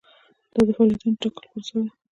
دا د فعالیتونو د ټاکلو پروسه ده.